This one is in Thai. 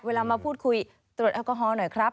มาพูดคุยตรวจแอลกอฮอล์หน่อยครับ